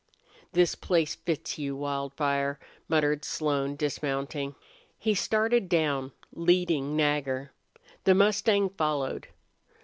"This place fits you, Wildfire," muttered Slone, dismounting. He started down, leading Nagger. The mustang followed.